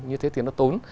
như thế thì nó tốn